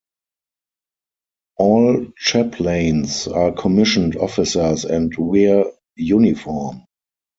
All chaplains are commissioned officers and wear uniform.